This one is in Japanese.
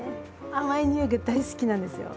甘い匂いが大好きなんですよ。